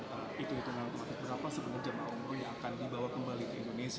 itu itu nanti berapa sebelum jemaah umroh yang akan dibawa kembali ke indonesia